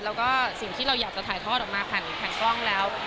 แล้วก็สิ่งที่เราอยากจะถ่ายทอดออกมาผ่านกล้องแล้ว